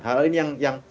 hal ini yang